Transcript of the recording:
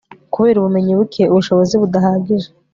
kubera ubumenyi buke ubushobozi budahagije